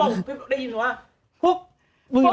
พี่ป้อมได้ยินหรือว่า